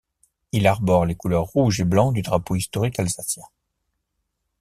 Il arbore les couleurs rouge et blanc du drapeau historique alsacien.